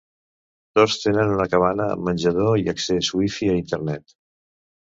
Tots tenen una cabana amb menjador i accés Wi-Fi a internet.